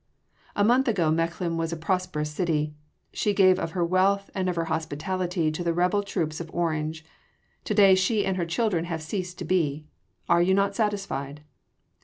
A month ago Mechlin was a prosperous city: she gave of her wealth and of her hospitality to the rebel troops of Orange. To day she and her children have ceased to be. Are you not satisfied?"